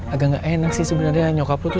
agak nggak enak sih sebenarnya nyokap lo tuh